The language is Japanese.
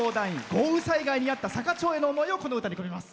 豪雨災害に遭った坂町への思いをこの歌に込めます。